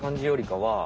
は